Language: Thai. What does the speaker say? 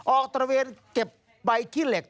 ตระเวนเก็บใบขี้เหล็ก